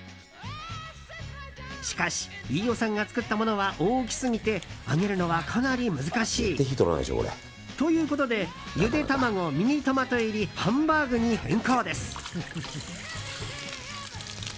しかし、飯尾さんが作ったものは大きすぎて揚げるのはかなり難しいということでゆで卵ミニトマト入りハンバーグに変更です。